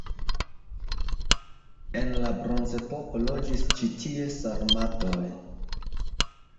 En la bronzepoko loĝis ĉi tie sarmatoj.